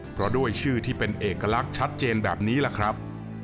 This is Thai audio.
เพราะด้วยชื่อที่เป็นเอกลักษณ์ชัดเจนแบบนี้แหละครับ